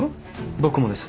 僕もです。